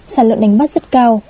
sản lượng đánh bắt rất cao